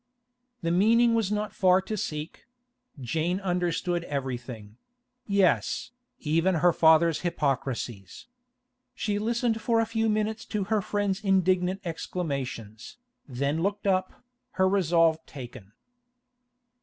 The meaning was not far to seek; Jane understood everything—yes, even her father's hypocrisies. She listened for a few minutes to her friend's indignant exclamations, then looked up, her resolve taken.